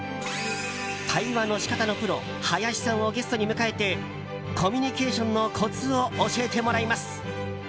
対話の仕方のプロ林さんをゲストに迎えてコミュニケーションのコツを教えてもらいます。